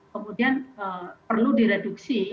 kemudian perlu direduksi